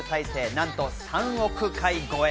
なんと３億回超え。